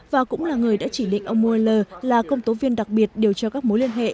và cũng là người đã chỉ định ông mueller là công tố viên đặc biệt điều tra các mối liên hệ